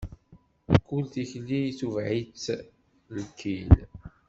Kul tikli itubeɛ-itt lkil.